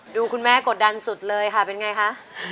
คุณแม่กดดันสุดเลยค่ะเป็นไงคะ